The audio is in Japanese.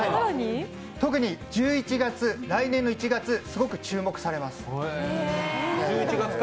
特に１１月、来年の１月すごく注目されます。